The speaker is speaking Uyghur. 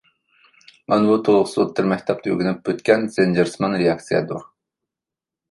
مانا بۇ تولۇقسىز ئوتتۇرا مەكتەپتە ئۆگىنىپ ئۆتكەن زەنجىرسىمان رېئاكسىيەدۇر.